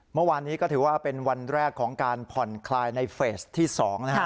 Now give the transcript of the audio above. เมื่อวานนี้ก็ถือว่าเป็นวันแรกของการผ่อนคลายในเฟสที่๒นะฮะ